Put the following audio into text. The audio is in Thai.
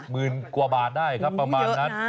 หมื่นกว่าบาทได้ครับประมาณนั้น